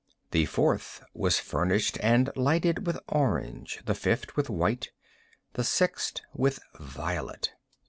The fourth was furnished and lighted with orange—the fifth with white—the sixth with violet.